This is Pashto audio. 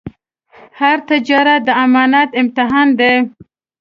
هر تجارت د امانت امتحان دی.